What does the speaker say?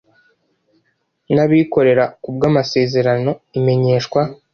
n abikorera ku bw amasezerano imenyeshwa